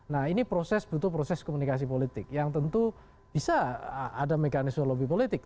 nah ini proses butuh proses komunikasi politik yang tentu bisa ada mekanisme lobby politik